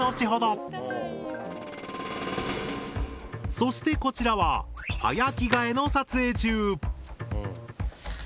そしてこちらは早着替えの撮影中。